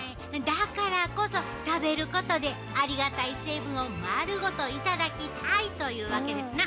だからこそ食べることでありがたい成分を丸ごといただきたいというわけですな！